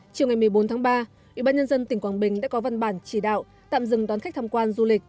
chiều ngày một mươi bốn tháng ba ubnd tp hcm đã có văn bản chỉ đạo tạm dừng đón khách thăm quan du lịch